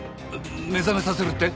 目覚めさせるって？